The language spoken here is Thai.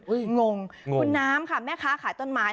งงคุณน้ำค่ะแม่ค้าขายต้นไม้